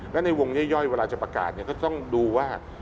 และในวงย่อยเวลาจะประกาศก็ต้องดูว่า